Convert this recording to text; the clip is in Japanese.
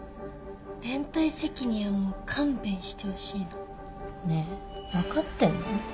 連帯責任はもう勘弁してほしいの。ねえ分かってんの？